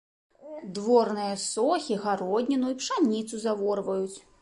Дворныя сохі гародніну і пшаніцу заворваюць!